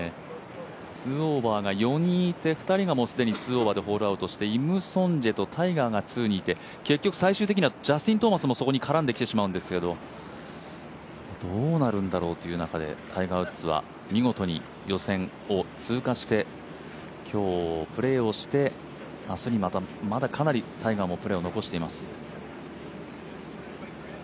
２オーバーが４人いて、既に２人が２オーバーでホールアウトして、イムソンジェとタイガーが２にいて、結局最終的にはジャスティン・トーマスもそこに絡んできてしまうんですけどどうなるんだろうという中でタイガー・ウッズは見事に予選を通過して今日プレーをして、明日にまた、まだかなりタイガーもプレーを残しています。